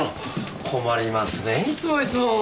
困りますねぇいつもいつも。